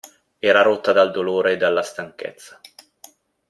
Era rotta dal dolore e dalla stanchezza.